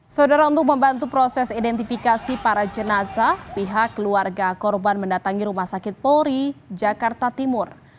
saudara untuk membantu proses identifikasi para jenazah pihak keluarga korban mendatangi rumah sakit polri jakarta timur